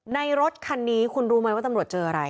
รถคันนี้คุณรู้ไหมว่าตำรวจเจออะไร